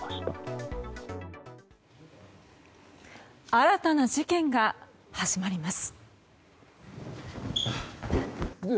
新たな事件が始まります。